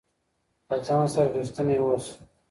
له ځان سره رښتينی اوسه